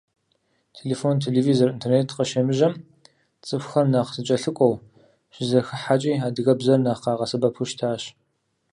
Телефон, телевизор, интернет къыщемыжьэм, цӀыхухэр нэхъ зэкӀэлъыкӀуэу, щызэхыхьэкӀи адыгэбзэр нэхъ къагъэсэбэпу щытащ.